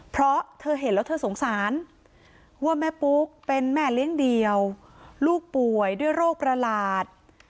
เพราะเธอเห็นแล้วเธอสงสารว่าแม่ปุ๊กเป็นแม่เลี้ยงเดี่ยวลูกป่วยด้วยโรคประหลาด